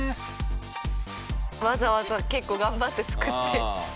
わざわざ結構頑張って作って。